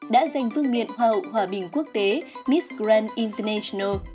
đã giành vương miện hòa hậu hòa bình quốc tế miss grand international